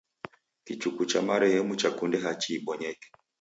Kichuku cha marehemu chakunde hachi ibonyeke.